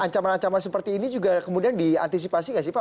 ancaman ancaman seperti ini juga kemudian diantisipasi gak sih pak